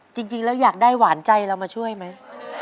จริงแล้วอยากได้หวานใจเรามาช่วยไหม